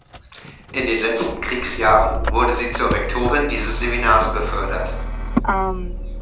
In den letzten Kriegsjahren wurde sie zur Rektorin dieses Seminars befördert.